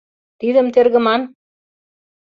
Тидым тергыман?